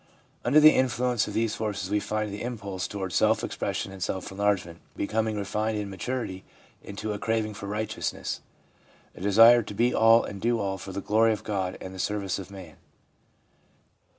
Under the influence of these forces we find the impulse toward self expression and self enlargement becoming refined in maturity into a craving for righteousness, a desire to be all and do all for the glory of God and the service of man.